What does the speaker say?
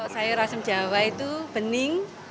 sayur asam jawa itu bening